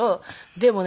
でもね